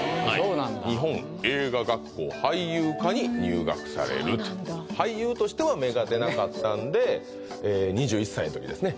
はい日本映画学校俳優科に入学されると俳優としては芽が出なかったんで２１歳の時ですね